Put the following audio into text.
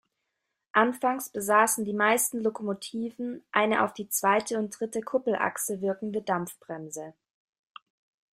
Anfangs besaßen die meisten Lokomotiven eine auf die zweite und dritte Kuppelachse wirkende Dampfbremse.